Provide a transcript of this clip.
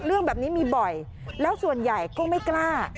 เรื่องแบบนี้มีบ่อยแล้วส่วนใหญ่ก็ไม่กล้า